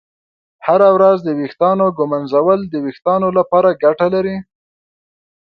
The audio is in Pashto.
هره ورځ د ویښتانو ږمنځول د ویښتانو لپاره ګټه لري.